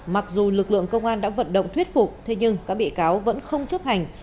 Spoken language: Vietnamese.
mặc dù lực lượng công an đã vận động thuyết phục thế nhưng các bị cáo vẫn không chấp hành